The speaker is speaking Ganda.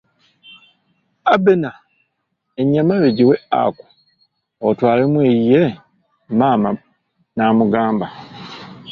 Abena, ennyama yo giwe Aku otwalemu eyiye, maama n'amugamba.